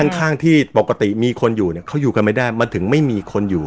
ข้างที่ปกติมีคนอยู่เนี่ยเขาอยู่กันไม่ได้มันถึงไม่มีคนอยู่